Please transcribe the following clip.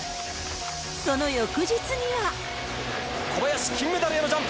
その翌日には。